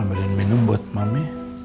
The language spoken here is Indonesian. ambilin minum buat mami